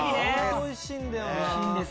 おいしいんです